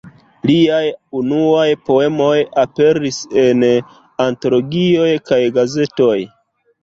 Liaj unuaj poemoj aperis en antologioj kaj gazetoj.